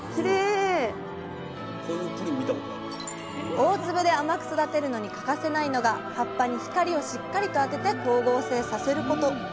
大粒で甘く育てるのに欠かせないのが葉っぱに光をしっかりと当てて光合成させること。